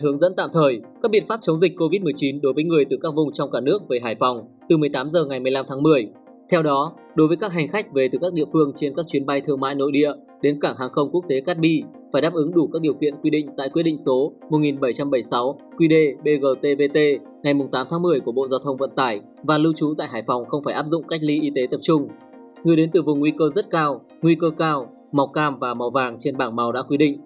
người đến từ vùng nguy cơ rất cao nguy cơ cao màu cam và màu vàng trên bảng màu đã quy định